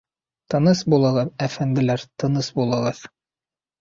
Тыныс булығыҙ, әфәнделәр, тыныс булығыҙ.